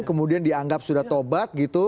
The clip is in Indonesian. kemudian dianggap sudah tobat gitu